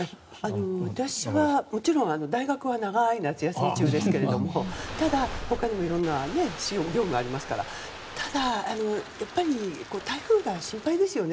私はもちろん大学は長い夏休み中ですけどただ、ほかにも色んな業務がありますからただ、台風が心配ですよね。